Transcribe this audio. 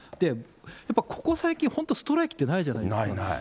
やっぱここ最近、本当ストライキってないじゃないですか。